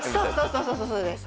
そうそうそうそうです